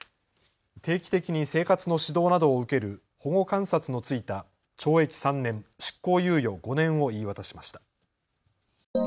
定期的に生活の指導などを受ける保護観察の付いた懲役３年、執行猶予５年を言い渡しました。